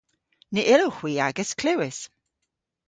Ny yllowgh hwi agas klewes.